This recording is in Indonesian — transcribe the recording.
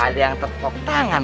ada yang terpuk tangan